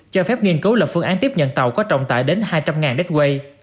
cho phép nghiên cấu lập phương án tiếp nhận tàu có trọng tải đến hai trăm linh đếch quay